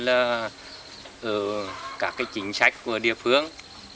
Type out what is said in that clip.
ở các chính sách của địa phương